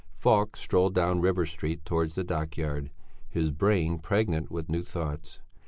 Falk strolled down River Street towards the dockyard, his brain pregnant with new thoughts.